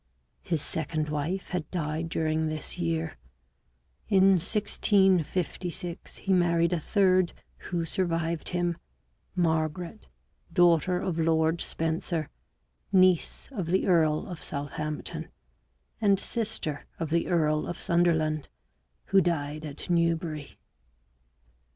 His second wife had died during this year; in 1656 he married a third, who survived him, Margaret, daughter of Lord Spencer, niece of the earl of Southampton, and sister of the earl of Sunderland, who died at Newbury.